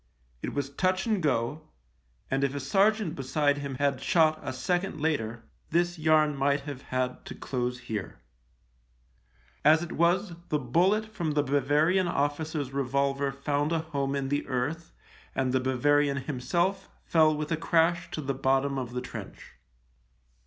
It was touch and go, and if a sergeant beside him had shot a second later this yarn might have had to close here. As it was, the bullet from the 42 THE LIEUTENANT Bavarian officer's revolver found a home in the earth, and the Bavarian himself fell with a crash to the bottom of the trench.